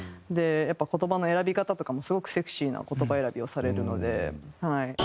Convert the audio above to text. やっぱ言葉の選び方とかもすごくセクシーな言葉選びをされるので。